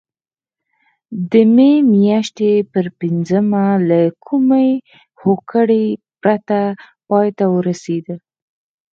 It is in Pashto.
د مې میاشتې پر پینځمه له کومې هوکړې پرته پای ته ورسېده.